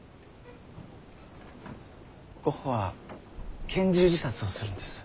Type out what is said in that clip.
ゴッホは拳銃自殺をするんです。